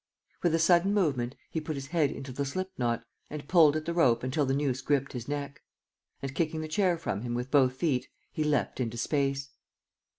With a sudden movement he put his head into the slip knot and pulled at the rope until the noose gripped his neck. And, kicking the chair from him with both feet, he leapt into space.